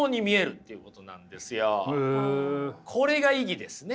これが意義ですね。